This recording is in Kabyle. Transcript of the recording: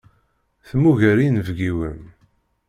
Temmuger inebgiwen.